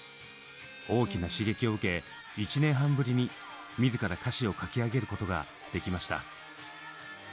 大きな刺激を受け１年半ぶりに自ら歌詞を書き上げることができました。